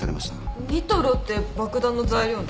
ニトロって爆弾の材料の？